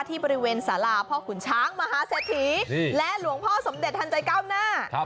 ที่บริเวณสาราพ่อขุนช้างมหาเศรษฐีและหลวงพ่อสมเด็จทันใจก้าวหน้า